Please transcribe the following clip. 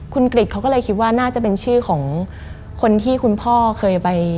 คุณกริจเขาก็เลยคิดว่าน่าจะเป็นชื่อของคนที่คุณพ่อเคยไป